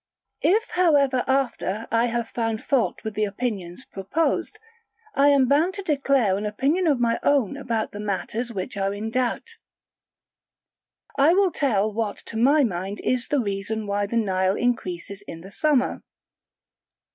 If however after I have found fault with the opinions proposed, I am bound to declare an opinion of my own about the matters which are in doubt, I will tell what to my mind is the reason why the Nile increases in the summer.